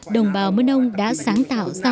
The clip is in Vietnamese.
đồng bào mân âu đã sáng tạo ra